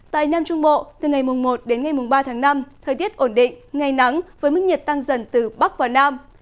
tại nam trung bộ từ ngày một đến ngày ba tháng năm thời tiết ổn định ngày nắng với mức nhiệt tăng dần từ bắc vào nam